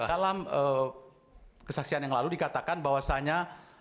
dalam kesaksian yang lalu dikatakan bahwasannya